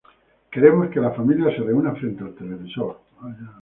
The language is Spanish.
Queremos que la familia se reúna frente al televisor.